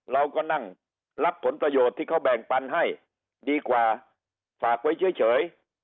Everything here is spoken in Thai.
เราก็นั่งรับผลประโยชน์ที่เขาแบ่งปันให้ดีกว่าฝากไว้เฉย